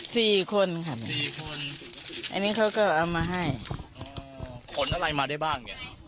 สี่คนค่ะสี่คนอันนี้เขาก็เอามาให้อ๋อขนอะไรมาได้บ้างเนี้ย